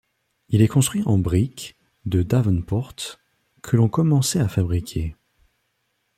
Il est construit en briques de Davenport que l'on commençait à fabriquer.